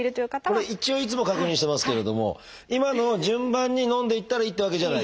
これ一応いつも確認してますけれども今のを順番に飲んでいったらいいってわけじゃないんですよね？